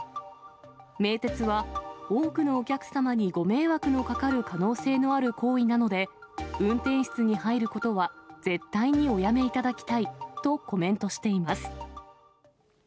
名鉄は、多くのお客様にご迷惑のかかる可能性のある行為なので、運転室に入ることは絶対におやめいただきたいとコメントしています。